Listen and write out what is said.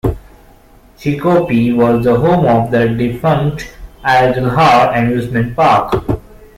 Chicopee was the home of the defunct Idlehour amusement park.